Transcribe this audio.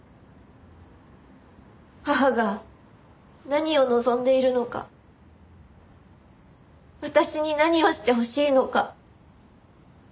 母が何を望んでいるのか私に何をしてほしいのか。